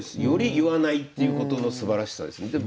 より言わないっていうことのすばらしさですね。